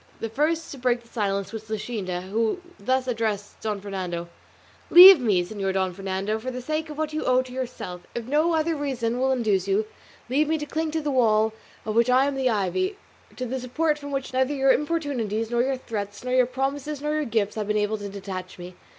The first to break silence was Luscinda, who thus addressed Don Fernando: "Leave me, Señor Don Fernando, for the sake of what you owe to yourself; if no other reason will induce you, leave me to cling to the wall of which I am the ivy, to the support from which neither your importunities, nor your threats, nor your promises, nor your gifts have been able to detach me.